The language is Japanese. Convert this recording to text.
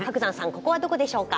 ここはどこでしょうか？